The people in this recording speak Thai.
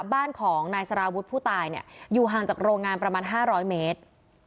บ้านของนายสารวุฒิผู้ตายเนี่ยอยู่ห่างจากโรงงานประมาณ๕๐๐เมตร